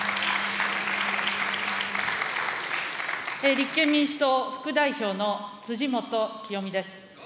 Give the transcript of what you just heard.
立憲民主党副代表の辻元清美です。